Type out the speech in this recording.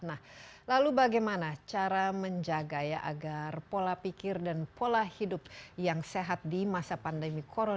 nah lalu bagaimana cara menjaga ya agar pola pikir dan pola hidup yang sehat di masa pandemi corona